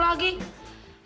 lagi cuma makan di sini